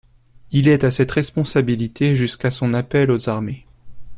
Il est à cette responsabilité jusqu'à son appel aux armées.